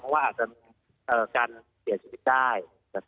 เมื่อว่าอาจจะมีการเสียความสะดุดได้